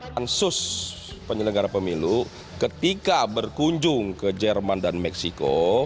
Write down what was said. pansus penyelenggara pemilu ketika berkunjung ke jerman dan meksiko